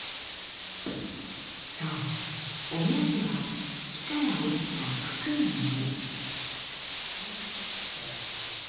そうお目当ては木から落ちたククイの実。